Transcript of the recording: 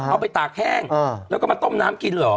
ไปตากแห้งแล้วก็มาต้มน้ำกินเหรอ